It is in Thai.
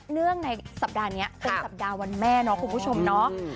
เนื่องในสัปดาห์นี้เป็นสัปดาห์วันแม่เนาะคุณผู้ชมเนาะ